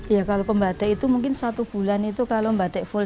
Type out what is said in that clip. ya kalau pembatik itu mungkin satu bulan itu kalau batik full